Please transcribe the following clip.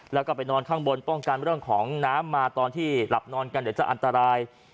แล้วก็ไปนอนข้างบนป้องกันเรื่องของน้ำมาตอนที่หลับนอนกันเดี๋ยวจะอันตราย